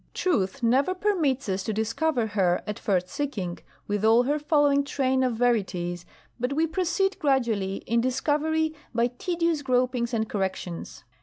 Truth never permits us to discover her at first seeking, with all her following train of verities, but we proceed gradually in discovery by tedious gropings and corrections.